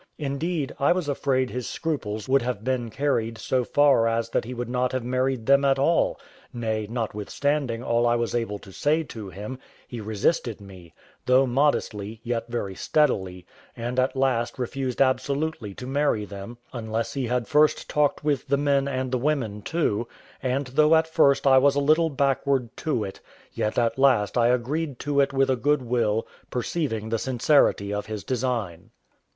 Indeed, I was afraid his scruples would have been carried so far as that he would not have married them at all; nay, notwithstanding all I was able to say to him, he resisted me, though modestly, yet very steadily, and at last refused absolutely to marry them, unless he had first talked with the men and the women too; and though at first I was a little backward to it, yet at last I agreed to it with a good will, perceiving the sincerity of his design.